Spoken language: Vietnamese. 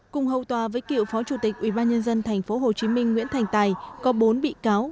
cùng hậu tòa với cựu phó chủ tịch ủy ban nhân dân tp hcm nguyễn thành tài có bốn bị cáo